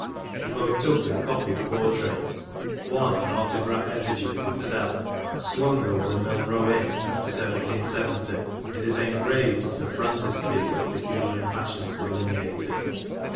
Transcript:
He both took and copied portraits one an autograph efligy of himself, swung over the Milnrow inn after 1770, and is engraved as the frontispiece of The Human Passions Delineated.